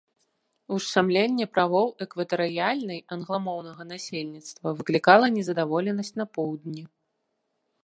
Ушчамленне правоў экватарыяльнай англамоўнага насельніцтва выклікала незадаволенасць на поўдні.